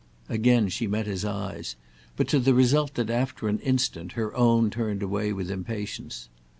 Again she met his eyes, but to the result that after an instant her own turned away with impatience.